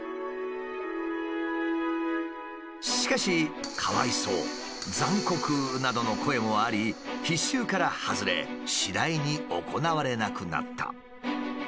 しかしなどの声もあり必修から外れ次第に行われなくなった。